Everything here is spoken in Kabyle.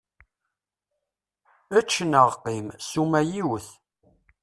Ečč neɣ qqim, ssuma yiwet.